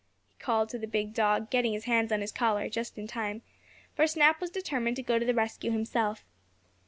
he called to the big dog, getting his hands on his collar, just in time, for Snap was determined to go to the rescue himself.